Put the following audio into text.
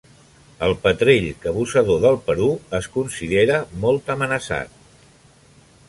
El petrell cabussador del Perú es considera molt amenaçat.